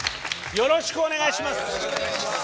よろしくお願いします。